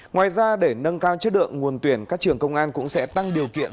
ngoài ra để nâng cao chất lượng nguồn tuyển các trường công an cũng sẽ tăng điều kiện